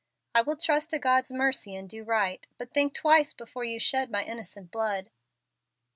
I will trust to God's mercy and do right. But think twice before you shed my innocent blood."